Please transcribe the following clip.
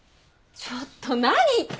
ちょっと何言ってんの。